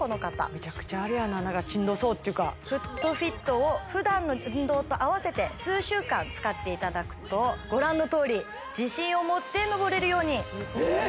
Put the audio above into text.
めちゃくちゃあれやな何かしんどそうというかＦｏｏｔＦｉｔをふだんの運動と併せて数週間使っていただくとご覧のとおり自信を持って上れるようにえっ？